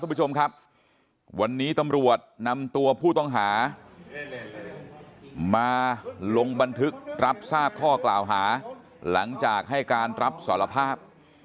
คุณผู้ชมครับวันนี้ตำรวจนำตัวผู้ต้องหามาลงบันทึกรับทราบข้อกล่าวหาหลังจากให้การรับสารภาพ